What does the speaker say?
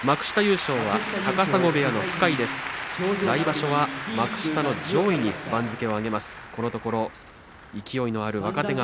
来場所は幕下上位に番付を上げます。